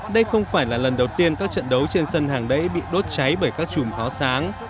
đây không phải là lần đầu tiên các trận đấu trên sân hàng đẩy bị đốt cháy bởi các chùm pháo sáng